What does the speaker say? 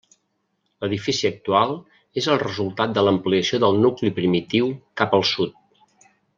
L'edifici actual és el resultat de l'ampliació del nucli primitiu cap al sud.